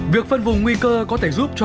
việc phân vùng nguy cơ có thể giúp cho